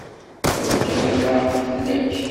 Yeffeɣ-iyi leɛqel fell-ak.